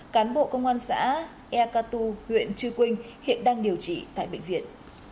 cán bộ công an xã e catu huyện trư quynh hiện đang điều trị tại bệnh viện